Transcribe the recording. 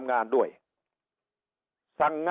ลูกหลานบอกว่าเรียกรถไปหลายครั้งนะครับ